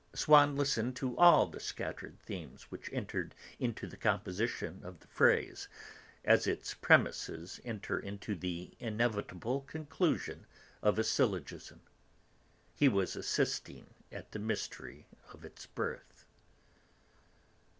Swann listened to all the scattered themes which entered into the composition of the phrase, as its premises enter into the inevitable conclusion of a syllogism; he was assisting at the mystery of its birth.